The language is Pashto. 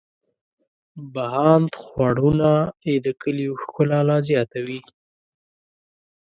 بهاند خوړونه یې د کلیو ښکلا لا زیاتوي.